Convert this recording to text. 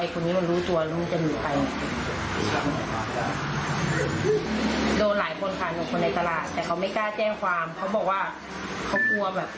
เขาบอกว่าเขากลัวแบบ